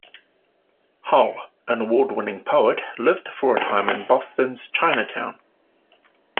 Hull, an award-winning poet, lived for a time in Boston's Chinatown.